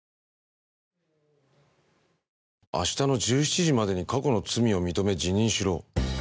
明日の１７時までに過去の罪を認め、辞任しろ。